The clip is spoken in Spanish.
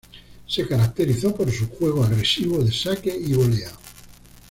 Se caracterizó por su juego agresivo de saque y volea.